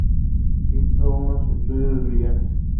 Hizo unos estudios brillantes.